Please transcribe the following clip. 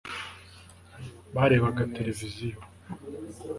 barebaga televiziyo